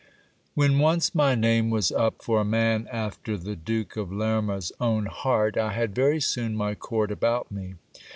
When once my name was up for a man after the Duke of Lerma's own heart, I had very soon my court about me.